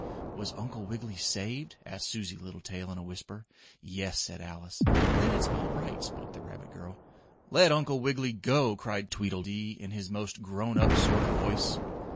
"Was Uncle Wiggily saved?" asked Susie Littletail in a whisper. "Yes," said Alice. "Then it's all right," spoke the rabbit girl. "Let Uncle Wiggily go!" cried Tweedledee in his most grown up sort of voice.